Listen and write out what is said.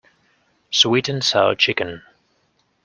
Sweet-and-sour chicken.